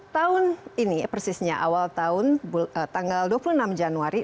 tahun ini persisnya awal tahun tanggal dua puluh enam januari